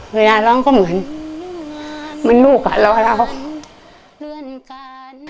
เวลาร้องก็เหมือนลูกอ่ะร้อนร้อง